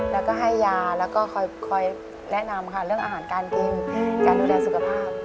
แล้วก็ให้ยาแล้วก็คอยแนะนำค่ะเรื่องอาหารการกินการดูแลสุขภาพ